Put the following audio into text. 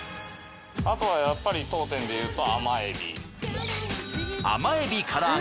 あとはやっぱり当店でいうと。